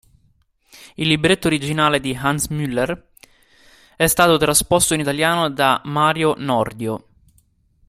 Il Libretto originale di Hans Muller è stato trasposto in Italiano da Mario Nordio.